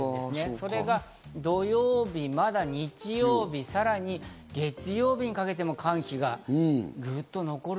それが土曜日、日曜日、さらに月曜日にかけても寒気が、ぐっと残る。